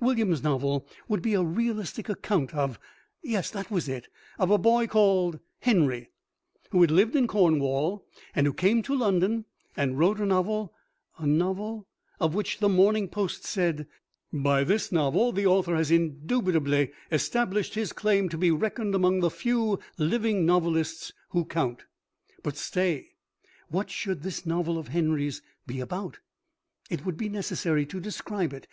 William's novel would be a realistic account of yes, that was it of a boy called Henry, who had lived in Cornwall, and who came to London and wrote a novel, a novel of which "The Morning Post" said: "By this novel the author has indubitably established his claim to be reckoned among the few living novelists who count." But stay! What should this novel of Henry's be about? It would be necessary to describe it.